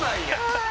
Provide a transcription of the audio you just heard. はい。